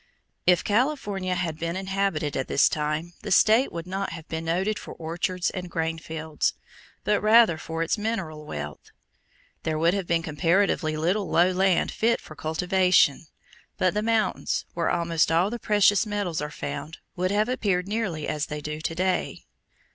If California had been inhabited at this time, the state would not have been noted for orchards and grain fields, but rather for its mineral wealth. There would have been comparatively little low land fit for cultivation, but the mountains, where almost all the precious metals are found, would have appeared nearly as they do to day.